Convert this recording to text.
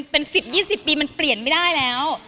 เป็น๑๐๒๐ปีมันเปลี่ยนไม่ได้แล้ว